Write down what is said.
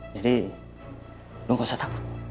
jadi lo gak usah takut